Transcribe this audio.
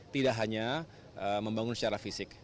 tidak hanya membangun secara fisik